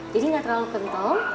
jadi enggak terlalu kental